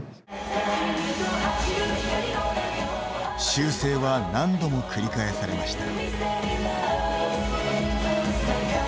修正は何度も繰り返されました。